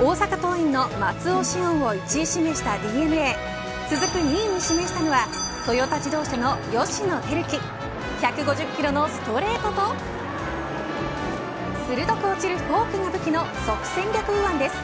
大阪桐蔭の松尾汐恩も１位指名したＤｅＮＡ続く２位に示したのはトヨタ自動車の吉野光樹１５０キロのストレートと鋭く落ちるフォークが武器の即戦力右腕です。